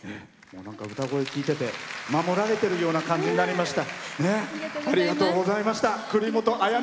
歌声、聴いてて守られているような感じになりました。